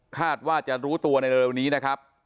คาดว่าจะรู้ตัวในเร็วนี้นะครับ